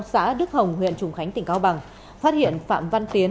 xã đức hồng huyện trùng khánh tỉnh cao bằng phát hiện phạm văn tiến